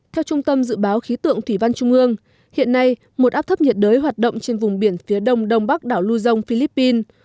theo trung tâm dự báo khí tượng thủy văn trung ương hiện nay một áp thấp nhiệt đới hoạt động trên vùng biển phía đông đông bắc đảo luzon philippines